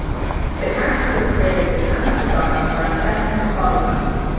The character was created and designed by Seth MacFarlane.